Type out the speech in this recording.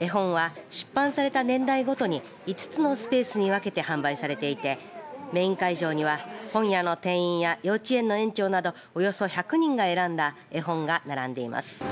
絵本は出版された年代ごとに５つのスペースに分けて販売されていてメイン会場には本屋の店員や幼稚園の園長などおよそ１００人が選んだ絵本が並んでいます。